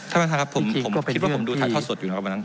ท่านประธานครับผมคิดว่าผมดูถ่ายทอดสดอยู่นะครับวันนั้น